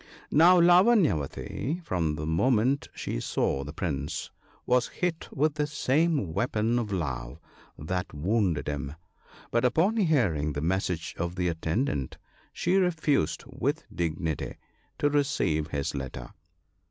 " Now Lavanyavati, from the moment she saw the Prince,, was hit with the same weapon of love that wounded him ; but upon hearing the message of the attendant, she refused with dignity to receive his letter.